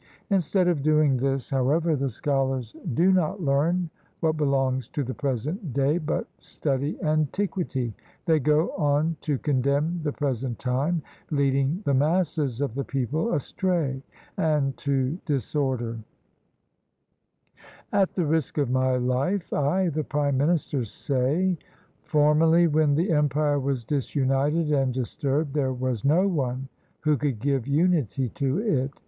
Instead of doing this, however, the scholars do not learn what belongs to the present day, but study antiquity. They go on to condemn the present time, leading the masses of the people astray and to disorder. 46 THE STRENUOUS REIGN OF HOANG TI "At the risk of my life, I, the prime minister, say, — Formerly, when the empire was disunited and disturbed, there was no one who could give unity to it.